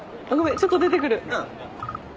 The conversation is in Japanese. ちょっと出てくる。